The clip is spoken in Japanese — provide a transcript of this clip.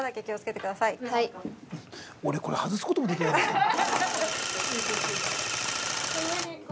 ◆俺、これ外すこともできないんですけど。